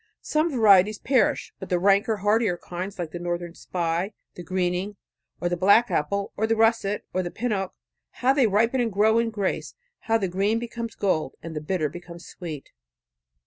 Some varieties perish; but the ranker, hardier kinds, like the northern spy, the greening, or the black apple, or the russet, or the pinnock, how they ripen and grow in grace, how the green becomes gold, and the bitter becomes sweet!